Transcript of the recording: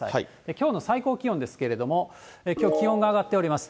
きょうの最高気温ですけれども、きょう、気温が上がっております。